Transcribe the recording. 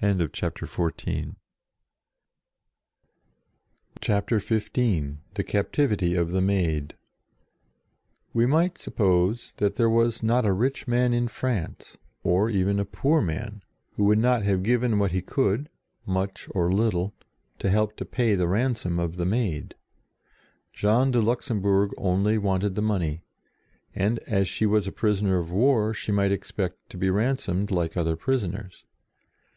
/0H' ; Joan taken at Compiegne CHAPTER XV THE CAPTIVITY OF THE MAID TTTE might suppose that there was not ^ a rich man in France, or even a poor man, who would not have given what he could, much or little, to help to pay the ransom of the Maid. Jean de Luxem bourg only wanted the money, and, as she was a prisoner of war, she might expect to be ransomed like other prisoners.